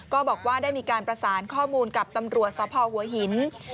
ก็บอกว่าได้มีการประสานข้อมูลกับตำรวจสพหัวหิน